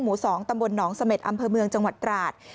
หมู่๒ตำบลหนองเสม็ดอำเภอเมืองจังหวัดตราด